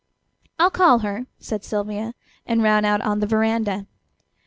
"I'll call her," said Sylvia, and ran out on the veranda.